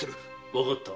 わかった。